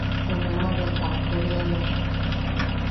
Junamaʼa bea pajkoriana.